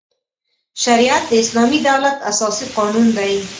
شریعت د اسلامي دولت اساسي قانون دی.